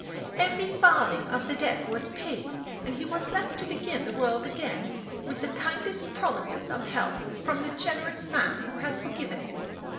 Every farthing of the debt was paid; and he was left to begin the world again, with the kindest promises of help from the generous man who had forgiven him.